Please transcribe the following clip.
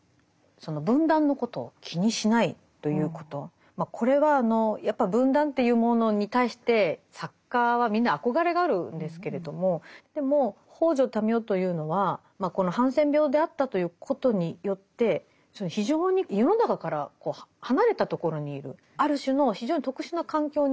その文壇のことを気にしないということこれはやっぱ文壇というものに対して作家はみんな憧れがあるんですけれどもでも北條民雄というのはこのハンセン病であったということによって非常に世の中から離れたところにいる。